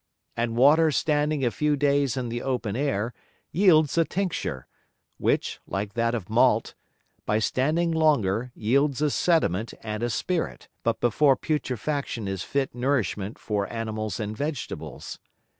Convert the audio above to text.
And Water standing a few Days in the open Air, yields a Tincture, which (like that of Malt) by standing longer yields a Sediment and a Spirit, but before Putrefaction is fit Nourishment for Animals and Vegetables.